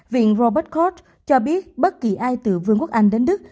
viện robert kort cho biết bất kỳ ai từ vương quốc anh đến đức